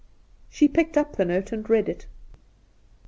She picked up the note and read it.